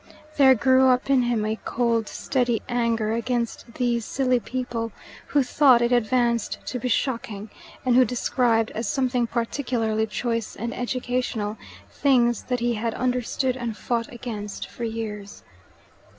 There grew up in him a cold, steady anger against these silly people who thought it advanced to be shocking, and who described, as something particularly choice and educational, things that he had understood and fought against for years.